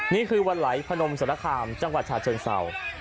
นี่คือวันไหลพนมสารคามจังหวัดชาเชิงเศร้า